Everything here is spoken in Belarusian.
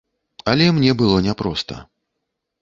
Але мне было няпроста.